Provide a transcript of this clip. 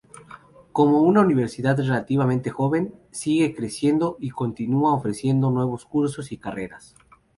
Como una universidad relativamente joven, sigue creciendo y continúa ofreciendo nuevos cursos y carreras.